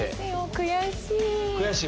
悔しい！